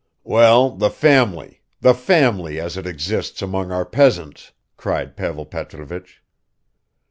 "Well, the family, the family as it exists among our peasants," cried Pavel Petrovich.